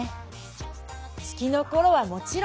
月のころはもちろん。